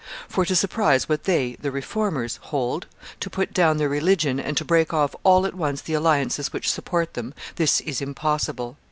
For to surprise what they (the Reformers) hold, to put down their religion, and to break off all at once the alliances which support them this is impossible.